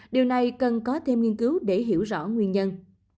điều này cần có thêm nghiên cứu để hiểu rõ nguyên nhân